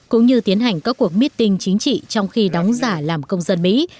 cũng như tiến hành các cuộc meeting chính trị trong khi đóng giả làm công dân mỹ